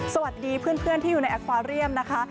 สวัสดีเพื่อนที่อยู่ในอัควาเรียมนะคะ